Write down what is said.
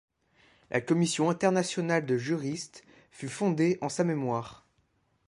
La Commission internationale de juristes fut fondée en sa mémoire.